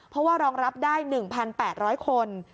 เพราะว่ารองรับได้๑๘๐๐คน